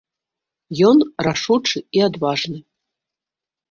Ён рашучы і адважны.